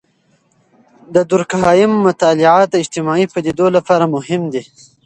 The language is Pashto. د دورکهايم مطالعات د اجتماعي پدیدو لپاره مهم دي.